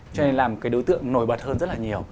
cho nên làm cái đối tượng nổi bật hơn rất là nhiều